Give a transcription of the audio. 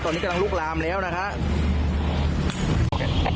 ตอนนี้กำลังลุกลามแล้วนะครับ